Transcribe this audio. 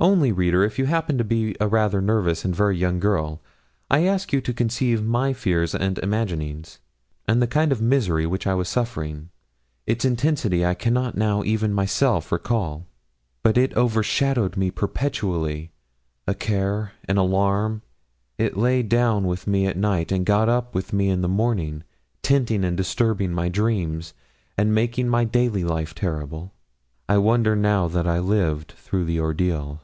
Only, reader, if you happen to be a rather nervous and very young girl, I ask you to conceive my fears and imaginings, and the kind of misery which I was suffering. Its intensity I cannot now even myself recall. But it overshadowed me perpetually a care, an alarm. It lay down with me at night and got up with me in the morning, tinting and disturbing my dreams, and making my daily life terrible. I wonder now that I lived through the ordeal.